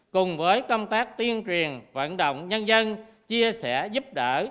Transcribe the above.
cùng với công tác tuyên truyền vận động nhân dân chia sẻ giúp đỡ